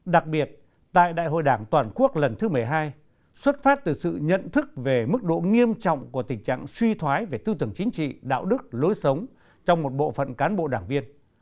đặc biệt tại đại hội đảng toàn quốc lần thứ một mươi hai xuất phát từ sự nhận thức về mức độ nghiêm trọng của tình trạng suy thoái về tư tưởng chính trị đạo đức lối sống trong một bộ phận cán bộ đảng viên